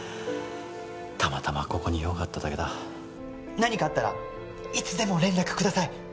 たまたまここに用があっただけだ何かあったらいつでも連絡ください